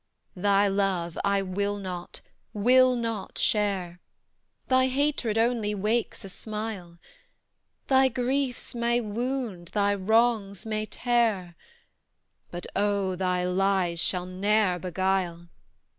Thy love I will not, will not share; Thy hatred only wakes a smile; Thy griefs may wound thy wrongs may tear, But, oh, thy lies shall ne'er beguile!